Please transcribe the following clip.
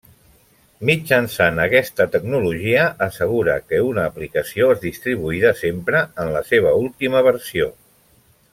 Mitjançant aquesta tecnologia assegura que una aplicació és distribuïda sempre en la seva última versió.